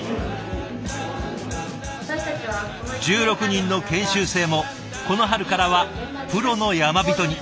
１６人の研修生もこの春からはプロの山人に。